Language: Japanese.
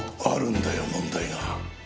あるんだよ問題が。